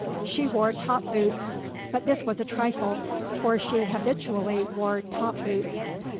She wore top boots, but this is a trifle, for she habitually wore top boots.